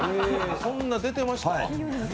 そんな出てました？